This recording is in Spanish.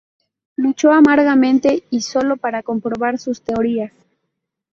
Luchó amargamente y solo, para comprobar sus teorías.